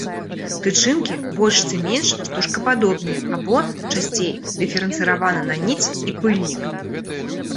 Тычынкі больш ці менш стужкападобныя, або, часцей, дыферэнцыраваны на ніць і пыльнік.